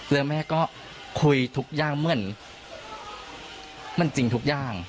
แล้วแม่ก็คุยทุกอย่างเหมือนมันจริงทุกอย่าง